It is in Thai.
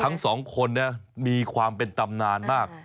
ทั้งสองคนมีความเป็นตำนานมาก